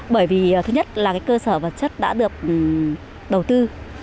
bởi vì thứ nhất là cơ sở vật chất đã được đầu tư